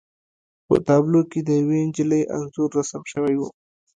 په تابلو کې د یوې نجلۍ انځور رسم شوی و